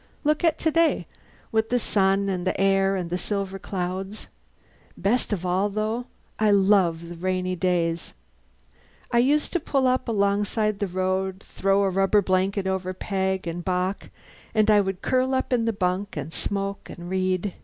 Look at today, with the sun and the air and the silver clouds. Best of all, though, I love the rainy days. I used to pull up alongside the road, throw a rubber blanket over Peg, and Bock and I would curl up in the bunk and smoke and read.